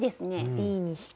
Ｂにして。